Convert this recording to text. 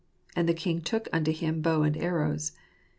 " And the king took unto him bow and arrows."